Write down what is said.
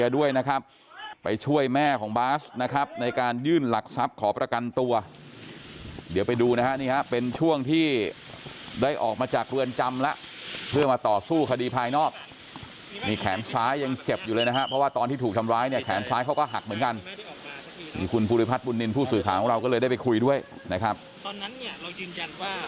ด้วยนะครับไปช่วยแม่ของบาสนะครับในการยื่นหลักทรัพย์ขอประกันตัวเดี๋ยวไปดูนะฮะนี่ฮะเป็นช่วงที่ได้ออกมาจากเรือนจำแล้วเพื่อมาต่อสู้คดีภายนอกนี่แขนซ้ายยังเจ็บอยู่เลยนะฮะเพราะว่าตอนที่ถูกทำร้ายเนี่ยแขนซ้ายเขาก็หักเหมือนกันนี่คุณภูริพัฒนบุญนินทร์ผู้สื่อข่าวของเราก็เลยได้ไปคุยด้วยนะครับ